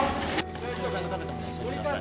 娘さんが食べたもの教えてください